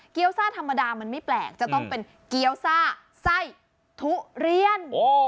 ซ่าธรรมดามันไม่แปลกจะต้องเป็นเกี้ยวซ่าไส้ทุเรียน